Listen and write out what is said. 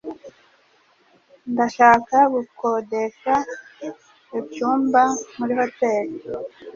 Ndashaka gukodesha icyumba muri hoteri.